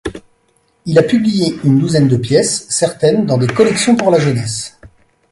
Il a publié une douzaine de pièces, certaines dans des collections pour la jeunesse.